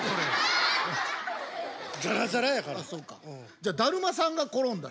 じゃあだるまさんが転んだ知ってる？